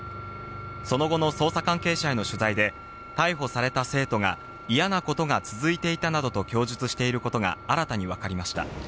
その後の捜査関係者への取材で、逮捕された生徒が、嫌なことが続いていたなどと供述していることが新たに分かりました。